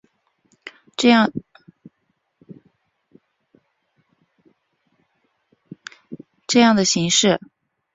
这样的形势可能对国会第一大党大会党和第二大党革阵的选情构成不利影响。